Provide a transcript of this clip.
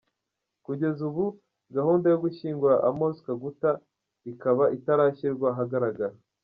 Kugeza ubu gahunda yo gushyingura Amos Kaguta ikaba itarashyirwa ahagaragara.